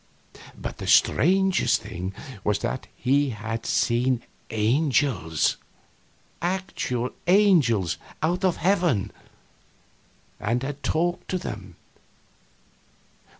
But the strangest thing was that he had seen angels actual angels out of heaven and had talked with them.